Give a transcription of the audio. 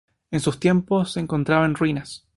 En sus tiempos, se encontraba en ruinas.